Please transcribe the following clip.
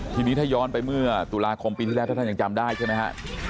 ทีนี้ถ้าย้อนไปเมื่อตุลาคมปีที่แล้วถ้าท่านยังจำได้ใช่ไหมฮะ